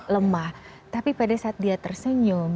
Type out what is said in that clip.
lemah tapi pada saat dia tersenyum